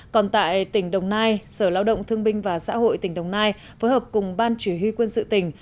còn tại tỉnh đồng nai sở lao động thương binh và xã hội tỉnh đồng nai phối hợp cùng ban chỉ huy quân sự tỉnh